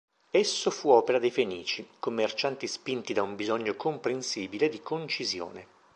Esso fu opera dei Fenici, commercianti spinti da un bisogno comprensibile di concisione.